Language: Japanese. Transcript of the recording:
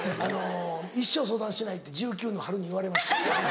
一生相談しないって１９歳の春に言われました。